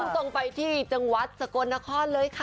ส่งไปที่จังหวัดสกลนครเลยค่ะ